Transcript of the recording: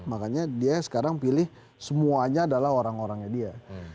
makanya dia sekarang pilih semuanya adalah orang orangnya dia